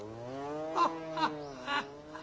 ハッハッハ。